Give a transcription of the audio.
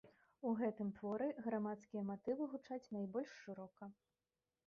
У гэтым творы грамадскія матывы гучаць найбольш шырока.